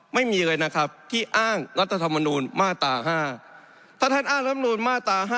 ไม่มีเลยนะครับที่อ้างรัฐธรรมนุนมาตรา๕